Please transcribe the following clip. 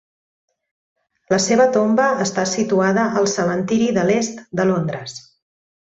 La seva tomba està situada al Cementiri de l'Est de Londres.